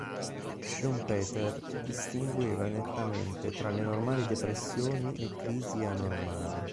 Schumpeter distingueva nettamente tra le normali depressioni e crisi anormali.